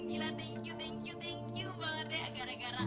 gila terima kasih terima kasih terima kasih banget ya